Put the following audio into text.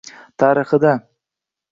tarixida